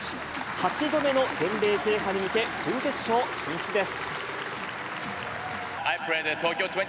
８度目の全米制覇に向け、準決勝進出です。